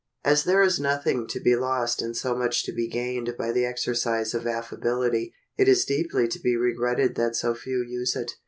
As there is nothing to be lost and so much to be gained by the exercise of affability, it is deeply to be regretted that so few use it.